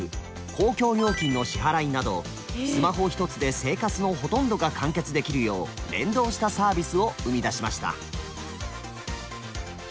公共料金の支払いなどスマホ一つで生活のほとんどが完結できるよう連動したサービスを生み出しました。